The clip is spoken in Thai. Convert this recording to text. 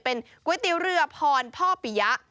เป็นก๋วยเตี๋ยวเรือพรพ่อปิยะ